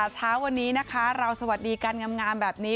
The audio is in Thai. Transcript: เช้าวันนี้นะคะเราสวัสดีการงามแบบนี้